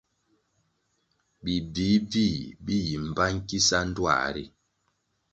Bi bvih-bvih bi yi mbpa nkisa ndtuā ri.